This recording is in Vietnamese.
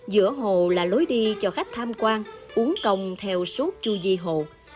giữa hồ là lối đi cho khách tham quan uống còng theo suốt chu di hồ